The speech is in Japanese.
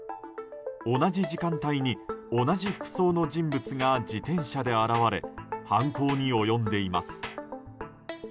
同じ時間帯に同じ服装の人物が自転車で現れ犯行に及んでいます。